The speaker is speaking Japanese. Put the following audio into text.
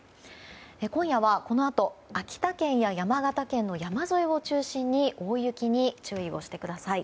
今夜はこのあと秋田県や山形県の山沿いを中心に大雪に注意をしてください。